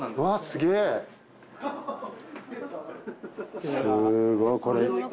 すごいこれ。